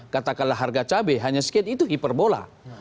katakanlah harga cabai hanya sekian itu hiperbola